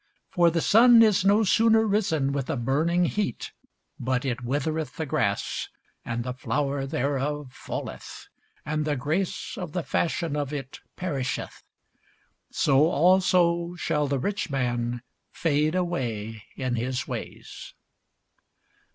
For the sun is no sooner risen with a burning heat, but it withereth the grass, and the flower thereof falleth, and the grace of the fashion of it perisheth: so also shall the rich man fade away in his ways.